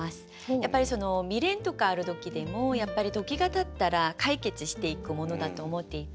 やっぱり未練とかある時でも時がたったら解決していくものだと思っていて。